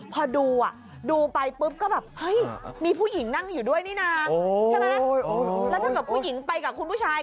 พอดูอ่ะดูไปปุ๊บก็แบบเฮ้ยมีผู้หญิงนั่งอยู่ด้วยนี่นะใช่ไหมแล้วถ้าเกิดผู้หญิงไปกับคุณผู้ชาย